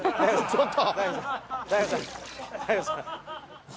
ちょっと。